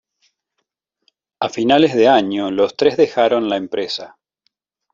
A finales de año, los tres dejaron la empresa.